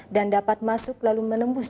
dan dapat masuk lalu menembus